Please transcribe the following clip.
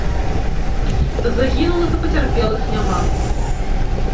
Загінулых і пацярпелых няма.